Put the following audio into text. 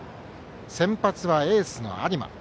先発はエースの有馬。